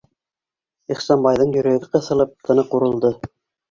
Ихсанбайҙың йөрәге ҡыҫылып, тыны ҡурылды.